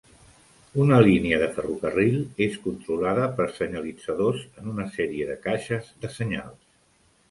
Una línia de ferrocarril és controlada per senyalitzadors en una sèrie de caixes de senyals.